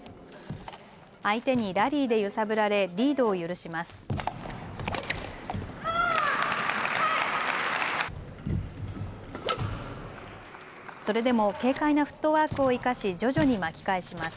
相手にラリーで揺さぶられリードを許します。